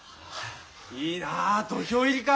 いいなあ土俵入りか。